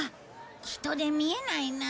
人で見えないなあ。